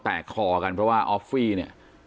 คอกันเพราะว่าออฟฟี่เนี่ย